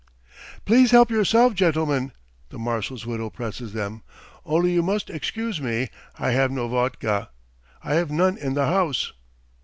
"Please help yourselves, gentlemen!" the marshal's widow presses them. "Only you must excuse me, I have no vodka. ... I have none in the house."